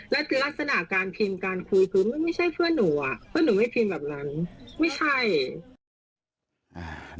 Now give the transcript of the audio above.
แล้วคือลักษณะการพิมพ์การคุยคือไม่ใช่เพื่อนหนูอ่ะเพื่อนหนูไม่พิมพ์แบบนั้นไม่ใช่อ่า